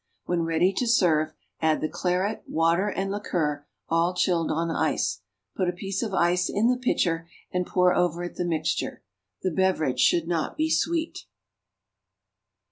When ready to serve, add the claret, water and liqueur, all chilled on ice. Put a piece of ice in the pitcher and pour over it the mixture. The beverage should not be sweet.